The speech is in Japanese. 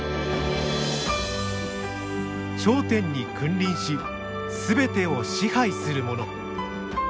頂点に君臨し全てを支配する者。